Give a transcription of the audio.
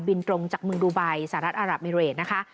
บินตรงจากเมืองดูบัยสหรัฐอัลหรัฐมิเวรนะคะ